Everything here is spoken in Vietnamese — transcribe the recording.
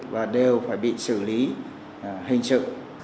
và đều phải bị xử lý hình sự